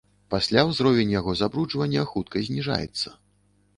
Пасля ўзровень яго забруджвання хутка зніжаецца.